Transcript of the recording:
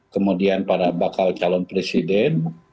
kemudian para bakal calon presiden